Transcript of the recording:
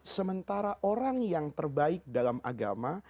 sementara orang yang terbaik dalam agama